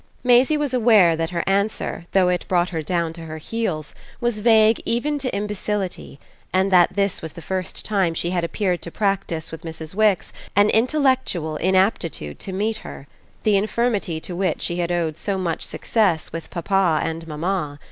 Maisie was aware that her answer, though it brought her down to her heels, was vague even to imbecility, and that this was the first time she had appeared to practise with Mrs. Wix an intellectual inaptitude to meet her the infirmity to which she had owed so much success with papa and mamma.